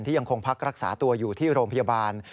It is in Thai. ยังคงพักรักษาตัวอยู่ที่โรงพยาบาล